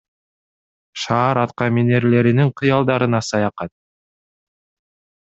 Шаар аткаминерлеринин кыялдарына саякат